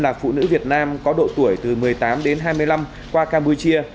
là phụ nữ việt nam có độ tuổi từ một mươi tám đến hai mươi năm qua campuchia